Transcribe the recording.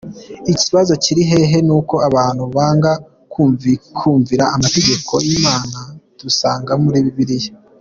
Ikibazo kili hehe? Nuko abantu banga kumvira amategeko y’imana dusanga muli Bible.